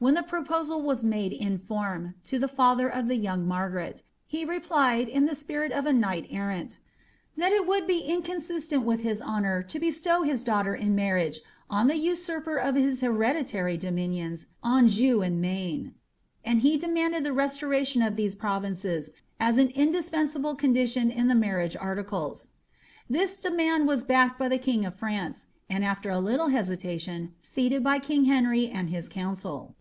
'" When the proposal was made in form, to the father of the young Hargareti he replied, in the spirit of a knight errant, ^ That it would be inconsistent with his honour to bestow his daughter in marriage on the oeurper of his hereditary dominions, Anjou and Maine;''* and he de manded the restoration of these provinces, as an indispensable condition in the marriage articles. This demand was backed by the king of Prance, and, after a little hesitation, ceded by king Henry and his Booncil.